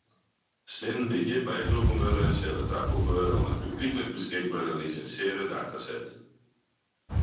Sinnen dy’t hjir bydroegen wurde sille tafoege wurde oan in publyklik beskikbere lisinsearre dataset.